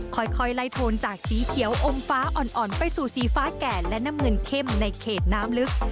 ค่อยไล่โทนจากสีเขียวอมฟ้าอ่อนไปสู่สีฟ้าแก่และน้ำเงินเข้มในเขตน้ำลึก